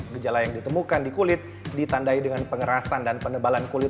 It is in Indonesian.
gejala yang ditemukan di kulit ditandai dengan pengerasan dan penebalan kulit